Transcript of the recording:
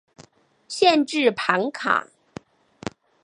县治庞卡。